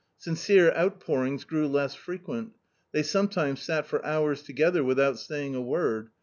Sincere outpourings grew less frequent. They sometimes sat for hours together without saying a word.